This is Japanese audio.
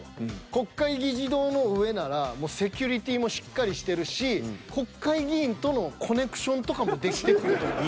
国会議事堂の上ならもうセキュリティーもしっかりしてるし国会議員とのコネクションとかも出来てくると思います。